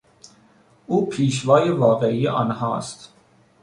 او پیشوای واقعی آنهاست.